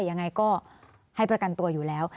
ยังไงก็ให้ประกันตัวอยู่แล้ว